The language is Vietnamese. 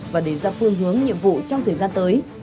và đề ra phương hướng nhiệm vụ trong thời gian tới